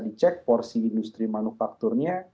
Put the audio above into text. dicek porsi industri manufakturnya